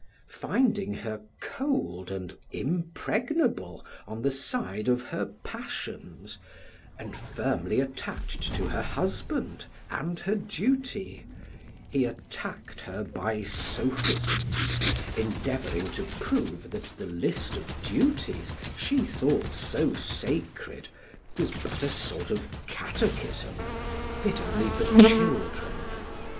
Finding her cold and impregnable on the side of her passions, and firmly attached to her husband and her duty, he attacked her by sophisms, endeavoring to prove that the list of duties she thought so sacred, was but a sort of catechism, fit only for children.